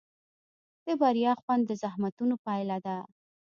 د بریا خوند د زحمتونو پایله ده.